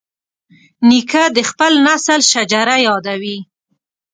نیکه د خپل نسل شجره یادوي.